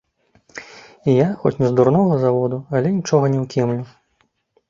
І я, хоць не з дурнога заводу, але нічога не ўкемлю.